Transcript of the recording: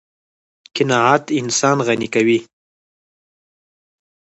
قناعت انسان غني کوي.